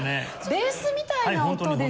ベースみたいな音ですよね。